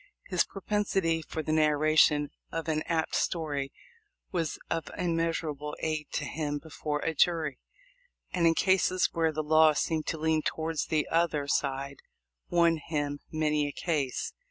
His pro pensity for the narration of an apt story was of im measurable aid to him before a jury, and in cases where the law seemed to lean towards the other side won him many a case.